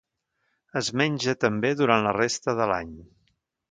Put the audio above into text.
Es menja també durant la resta de l'any.